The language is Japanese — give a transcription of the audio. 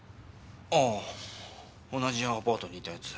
ああ同じアパートにいた奴。